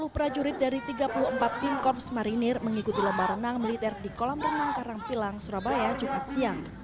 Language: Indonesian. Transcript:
sepuluh prajurit dari tiga puluh empat tim korps marinir mengikuti lomba renang militer di kolam renang karangpilang surabaya jumat siang